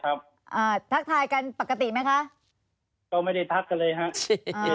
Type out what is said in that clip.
อ่าทักทายกันปกติไหมคะก็ไม่ได้ทักกันเลยฮะใช่